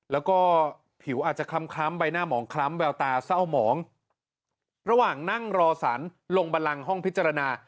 แล้วก็ผิวอาจจะคล้ำใบหน้าหมองคล้ำแววตาเศร้าหมองระหว่างนั่งรอสารลงบันลังห้องพิจารณา